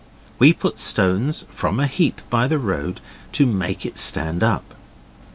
We put stones, from a heap by the road, behind it to make it stand up.